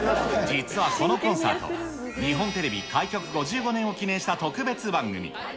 実はこのコンサート、日本テレビ開局５５年を記念した特別番組。